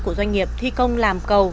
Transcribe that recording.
của doanh nghiệp thi công làm cầu